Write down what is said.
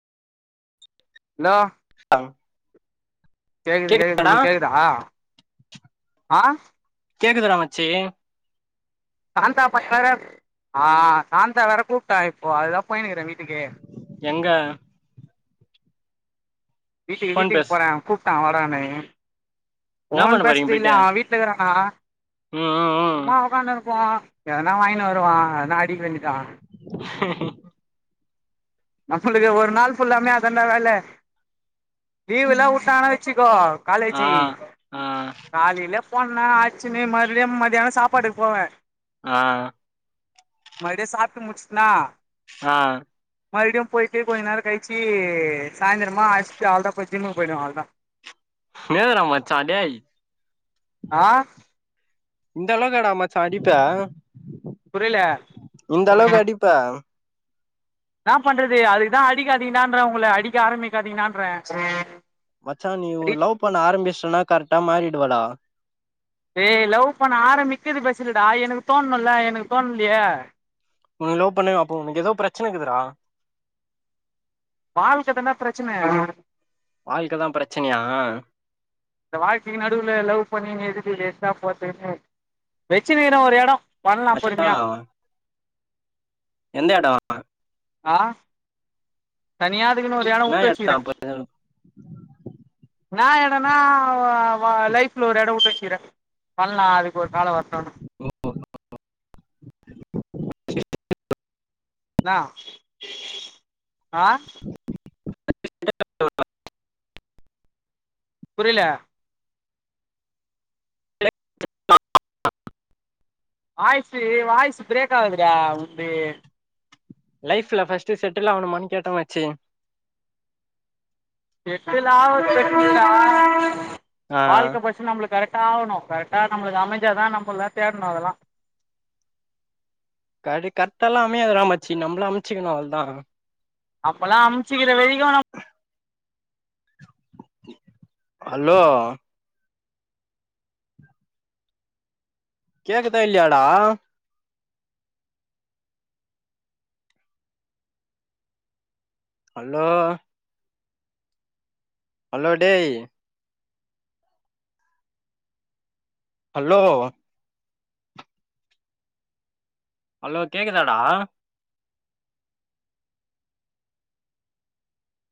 hello அங் கேக்குது கேக்குது உனக்கு கேக்குதா ஆ கேக்குதுடா மச்சி சாந்தாப்பட் வேற ஆ சாந்தா வேற கூப்ட்டா இப்போ அதுதா போயினுக்கிற வீட்டுக்கு எங்க வீட்டுக்கு ஃபோன் வீட்டுக்கு பேசு போறே கூப்ட்டா வரானு என்ன போன் பண்ண போறீங்க பேஸ்றது இல்ல போயிட்டு அவ வீட் ட்ல இருக்குறே நா ம் ம் ம் சும்மா உக்காந்துருப்போ எதுனா வாங்கினு வருவா எதுனா அடிக்க வேண்டிதா [inaudible] நம்மளுக்கு ஒரு நாள் ஃபுல்லாமே அது தாண்டா வேல லீவுல்லா வுட்டானா வச்சிக்கோ ஆ காலேஜி ஆ காலையில போன்னனா அட்ச்சுனு மறுபடியு மதியானோ சாப்பாடுக்கு போவே ஆ மறுபுடியு சாப்டு முடுச்ட்னா ஆ மறுபடியு பொயிட்டு கொஞ்ச நேரகழிச்சி சாயந்திரமா அட்ச்சுட்டு அவ்ளோதா போய் ஜிம்முக்கு போய்டுவே அவ்ளதா மேதுடா மச்சா டேய் ஆ இந்த அளவுக்குடா மாச்சா அடிப்ப புரியல இந்த அளவுக்கு அடிப்ப என்னாப் பண்றது அதுக்குதா அடிக்காதிங்கடான்றே உங்கள அடிக்க ஆரம்பிக்காதீங்கடான்றே மச்சா நீ் ஒரு லவ் பண்ண ஆரம்பிச்சிட்டுனா கரெட்டா மாறிடுவடா ஏ லவ் பண்ண ஆரம்பிக்கிறது பெருசு இல்லடா எனக்கு தோணுல எனக்கு தோண்லையே ம் லவ் பண்ணே அப்ப உனக்கு எதோ பிரச்சன இருக்குதுறா வாழ்க்க தான்டா பிரச்சன வாழ்க்க தா பிரச்சனையா இந்த வாழ்க்கைக்கு நடுவுல லவ் பண்ணினு எதுக்கு வேஸ்ட்டா போர்துகுனு வெச்சுன்னு இருக்க ஒரு எட பண்லா மச்சா பொறுமையா எந்த எட ஆ தனியா அதுக்குன்னு ஒரு எட என்ன உட்டுவச்சுக்கிறே எடோ இன்னா எடனா வா லைஃப்ல ஒரு எட உட்டு வச்சுக்கிறே பண்லா அதுக்கு ஒரு கால வர்ட்டு ஓ [inaudible] இன்னா ஆ [inaudible] புரியல [inaudible] வாய்சு வாய்சு பிரேக் ஆவுதுடா உன்து லைஃப்ல ஃபஸ்ட்டு செட்டில் ஆவணுமான் கேட்ட மச்சி செட்டிலாவற்து பெஸ்ட்டு டா ஆ வாழ்க்க ஃபஸ்ட்டு நம்ளுக் கரெக்ட் டாவணு கரெக்டா நம்மளுக்கு அமஞ்சாதா நம்பளு தேட்ணு அதெல்லா கடி கரெக்ட்டால்லா அமையாதுடா மச்சி நம்பள அமைச்சுக்கணு அவள்தா அப்பலா அம்ச்சுக்கிற வரைக்கு நம் அலோ கேக்குதா இல்லையாடா ஹலோ ஹலோ டேய் ஹலோ ஹலோ கேக்குதாடா